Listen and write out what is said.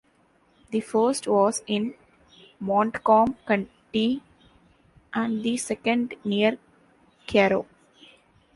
The first was in Montcalm County and the second near Caro.